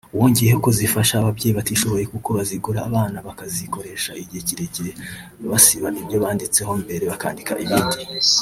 wongeyeho ko zifasha ababyeyi batishoboye kuko bazigura abana bakazikoresha igihe kirekire basiba ibyo banditsembere bakandikaho ibindi bitagoranye